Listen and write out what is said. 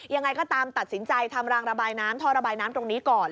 ยังไงก็ตามตัดสินใจทำรางระบายน้ำท่อระบายน้ำตรงนี้ก่อน